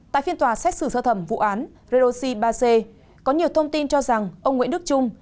tại phiên tòa xét xử sơ thẩm vụ án redoxi ba c có nhiều thông tin cho rằng ông nguyễn đức trung